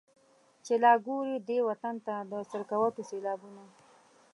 چي لا ګوري دې وطن ته د سکروټو سېلابونه.